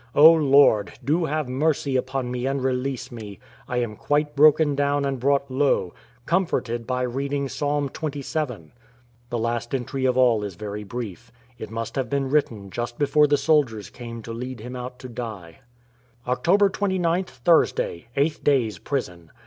O Lord, do have mercy upon me and release me. I am quite broken down and brought low. Com forted by reading Psalm xxvii." The last entry of all is very brief. It must have been written just before the soldiers came to lead him out to die. " Oct. 29th, Thursday (Eighth day's prison).